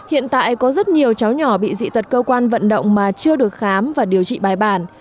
hiện tại có rất nhiều cháu nhỏ bị dị tật cơ quan vận động mà chưa được khám và điều trị bài bản